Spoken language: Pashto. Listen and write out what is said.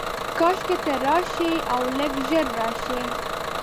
کاشکي ته راشې، اولږ ژر راشې